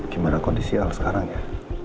gimana kondisi al sekarang ya